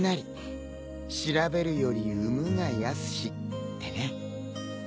調べるよりうむがやすしってね。